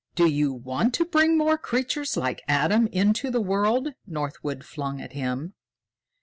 "Do you want to bring more creatures like Adam into the world?" Northwood flung at him.